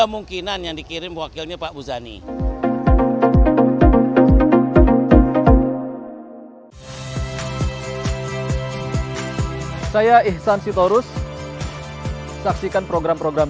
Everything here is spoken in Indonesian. mungkinan yang dikirim wakilnya pak muzani saya ihsan sitorus saksikan program program